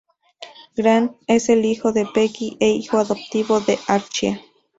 Grant es el hijo de Peggy e hijo adoptivo de Archie.